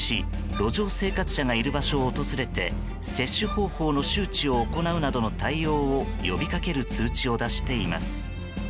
路上生活者がいる場所を訪れて接種方法の周知を行うなどの対応を呼びかける通知を出しています。